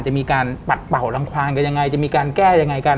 จะมีการปัดเป่ารังควานกันยังไงจะมีการแก้ยังไงกัน